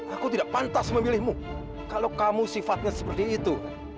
aku tidak pantas memilihmu kalau kamu sifatnya seperti itu